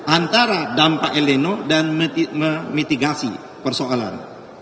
antara dampak el lino dan memitigasi persoalan